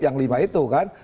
yang lima itu kan